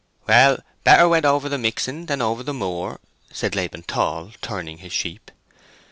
"Well, better wed over the mixen than over the moor," said Laban Tall, turning his sheep.